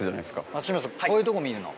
松島こういうとこ見るの。